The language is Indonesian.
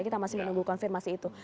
kita masih menunggu konfirmasi itu